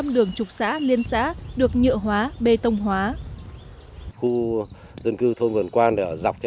một trăm linh đường trục xã liên xã được nhựa hóa bê tông hóa